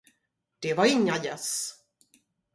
Det var inga gäss.